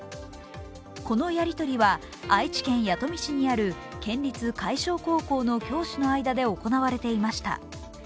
このやりとりは、愛知県弥富市にある県立海翔高校の教師の間で行われていました。